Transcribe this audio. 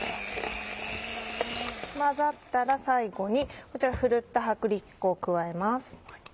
混ざったら最後にこちらふるった薄力粉を加えます。